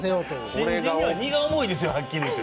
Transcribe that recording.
新人には荷が重いですよはっきり言って。